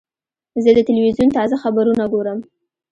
زه د تلویزیون تازه خبرونه ګورم.